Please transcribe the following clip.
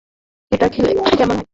এটা খেলে কেমন হয়?